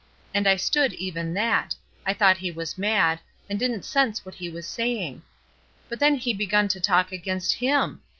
And I stood even that; I thought he was mad, and didn't sense what he was saying; but then he begun to talk against Him!